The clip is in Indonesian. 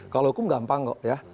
kalau hukum gampang kok ya